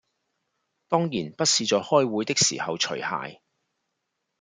當然不是在開會的時候除鞋